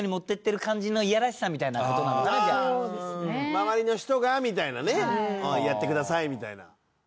周りの人がみたいなねやってくださいみたいな。